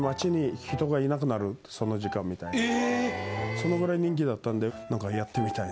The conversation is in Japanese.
そのぐらい人気だったんでなんかやってみたいなっていう。